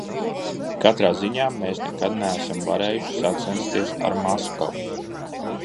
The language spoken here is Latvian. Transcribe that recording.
Katrā ziņā mēs nekad neesam varējuši sacensties ar Maskavu.